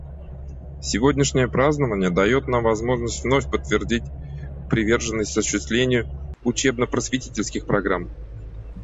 Сегодняшнее празднование дает нам возможность вновь подтвердить приверженность осуществлению учебно-просветительских программ.